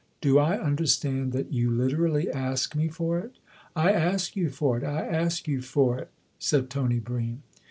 " Do I understand that you literally ask me for it ?"" 1 ask you for it I ask you for it," said Tony Bream.